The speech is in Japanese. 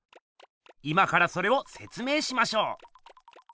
今からそれをせつ明しましょう。